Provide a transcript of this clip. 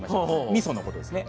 みそのことですね。